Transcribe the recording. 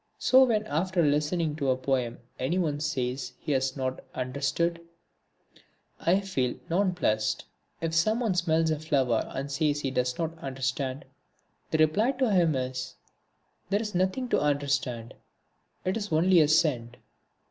So when after listening to a poem anyone says he has not understood, I feel nonplussed. If someone smells a flower and says he does not understand, the reply to him is: there is nothing to understand, it is only a scent.